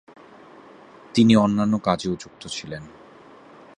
তিনি অন্যান্য কাজেও যুক্ত ছিলেন।